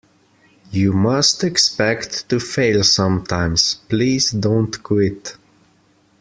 You must expect to fail sometimes; please don't quit.